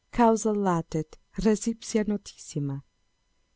Causa latet, res ipsa notissima.